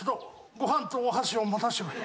ご飯とお箸を持たせてくれ。